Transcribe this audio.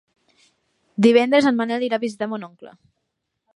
Divendres en Manel irà a visitar mon oncle.